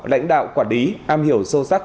lãnh đạo quản lý am hiểu sâu sắc